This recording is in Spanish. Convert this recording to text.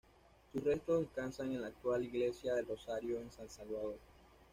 Sus restos descansan en la actual Iglesia del Rosario en San Salvador.